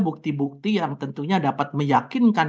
bukti bukti yang tentunya dapat meyakinkan